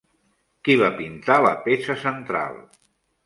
Qui va pintar la peça central?